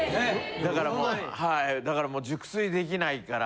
だからもうだからもう熟睡できないから。